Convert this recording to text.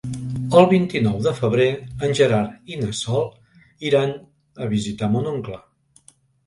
El vint-i-nou de febrer en Gerard i na Sol iran a visitar mon oncle.